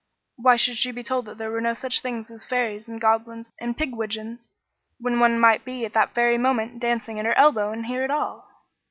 Why should she be told there were no such things as fairies and goblins and pigwidgeons, when one might be at that very moment dancing at her elbow and hear it all?